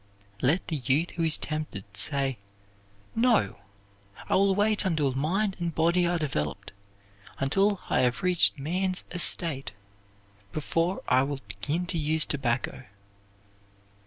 Let the youth who is tempted say, "No! I will wait until mind and body are developed, until I have reached man's estate before I will begin to use tobacco."